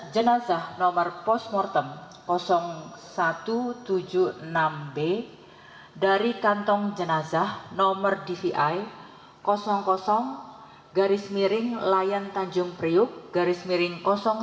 empat jenazah nomor postmortem satu ratus tujuh puluh enam b dari kantong jenazah nomor dvi garis miring layan tanjung priuk garis miring satu ratus tujuh puluh enam